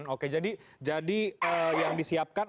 oke jadi yang disiapkan